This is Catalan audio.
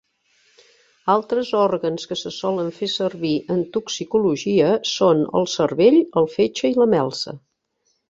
Altres òrgans que se solen fer servir en toxicologia són el cervell, el fetge i la melsa.